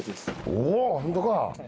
おお本当か！